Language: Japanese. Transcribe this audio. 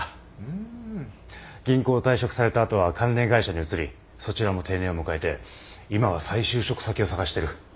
銀行を退職された後は関連会社に移りそちらも定年を迎えて今は再就職先を探してる。